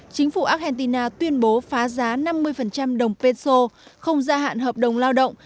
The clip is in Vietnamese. chính phủ argentina tuyên bố phá giá năm mươi đồng peso không gia hạn hợp đồng lao động